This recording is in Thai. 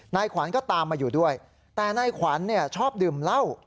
นายขวัญก็ตามมาอยู่ด้วยแต่นายขวัญเนี่ยชอบดื่มเหล้า